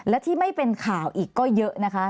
และที่ไม่เป็นข่าวอีกก็เยอะนะคะ